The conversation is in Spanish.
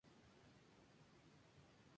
Es la sede del banco "Dubai Islamic Bank".